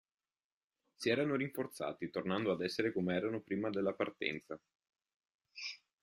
Si erano rinforzati, tornando ad essere come erano prima della partenza.